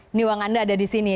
ini uang anda ada di sini